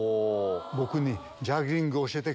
僕に。